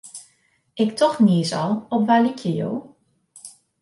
Ik tocht niis al, op wa lykje jo?